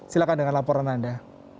silahkan dengan laporan anda